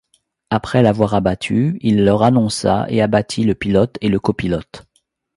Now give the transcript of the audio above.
Après l'avoir abattue, il leur annonça et abattit le pilote et le copilote.